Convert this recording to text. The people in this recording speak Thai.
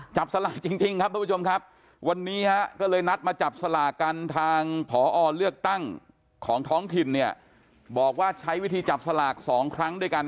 จับสลากจริงครับทุกผู้ชมครับวันนี้ฮะก็เลยนัดมาจับสลากกันทางผอเลือกตั้งของท้องถิ่นเนี่ยบอกว่าใช้วิธีจับสลากสองครั้งด้วยกัน